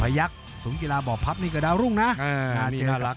พยักษ์สูงกีฬาบ่อพับนี่ก็ดาวรุ่งนะอ่านี่น่ารัก